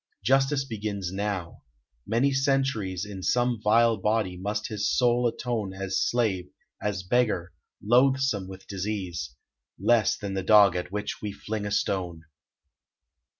Justice begins now. Many centuries In some vile body must his soul atone As slave, as beggar, loathsome with disease, Less than the dog at which we fling a stone.